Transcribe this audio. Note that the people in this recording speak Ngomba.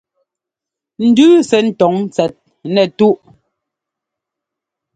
Ndʉʉ sɛ́ ńtɔ́ŋ tsɛt nɛtúꞌ.